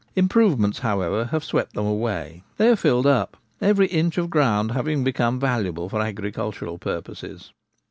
Improvements, however, have swept them away ; they are filled up, every inch of ground having be come valuable for agricultural purposes.